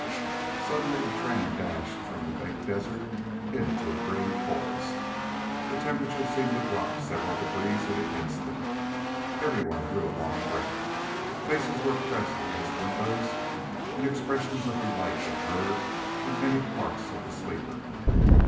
Suddenly the train dashed from the baked desert into a green forest. The temperature seemed to drop several degrees in an instant. Everyone drew a long breath, faces were pressed against windows and expressions of delight were heard in many parts of the sleeper.